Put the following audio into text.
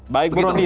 baik bu roni